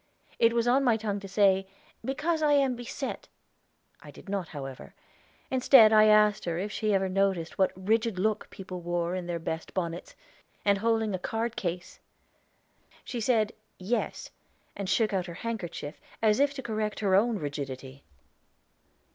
It was on my tongue to say, "Because I am beset." I did not, however; instead I asked her if she never noticed what a rigid look people wore in their best bonnets, and holding a card case? She said, "Yes," and shook out her handkerchief, as if to correct her own rigidity.